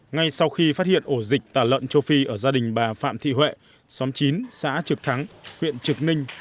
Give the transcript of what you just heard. ngay sau khi phát hiện ổ dịch tả lợn châu phi ở gia đình bà phạm thị huệ xóm chín xã trực thắng huyện trực ninh